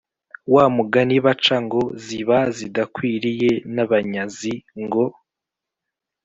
wa mugani baca ngo: ziba zidakwiriye n’abanyazi, ngo: